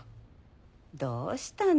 どうしたの？